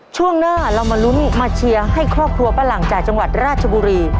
ช่วงหน้าเรามาลุ้นมาเชียร์ให้ครอบครัวป้าหลังจากจังหวัดราชบุรี